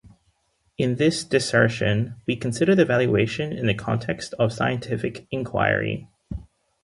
In this dissertation, we consider evaluation in the context of scientific inquiry.